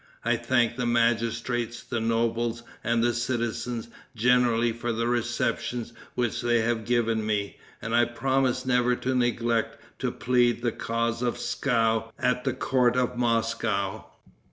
I thank the magistrates, the nobles and the citizens generally for the reception which they have given me, and I promise never to neglect to plead the cause of Pskov at the court of Moscow."